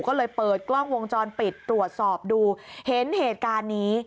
ก็เลยเปิดกล้องวงจรปิดตรวจสอบดูเห็นเหตุการณ์นี้